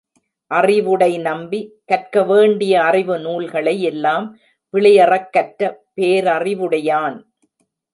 அறிவுடை நம்பி, கற்க வேண்டிய அறிவு நூல்களை யெல்லாம் பிழையறக் கற்ற பேரறிவுடையான்.